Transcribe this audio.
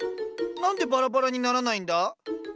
何でバラバラにならないんだ？